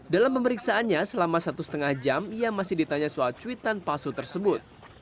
dalam pemeriksaannya selama satu setengah jam ia masih ditanya soal cuitan palsu tersebut